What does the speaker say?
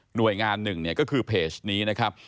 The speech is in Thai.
หน่วยงานหนึ่งเนี่ยก็คือเพจนี้นะครับ